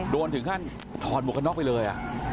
โดนถึงขั้นถอดหมูข้างนอกไปเลย